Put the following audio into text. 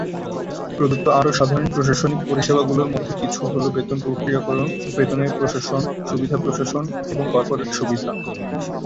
প্রদত্ত আরও সাধারণ প্রশাসনিক পরিষেবাগুলির মধ্যে কিছু হল বেতন প্রক্রিয়াকরণ, বেতনের প্রশাসন, সুবিধা প্রশাসন এবং কর্পোরেট সুবিধা।